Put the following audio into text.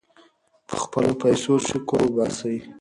په خپلو پیسو شکر وباسئ.